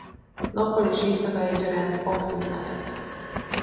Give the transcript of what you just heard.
Nappal és éjszaka egyaránt aktív lehet.